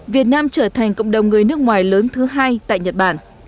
việt nam trở thành cộng đồng người nước ngoài lớn thứ hai tại nhật bản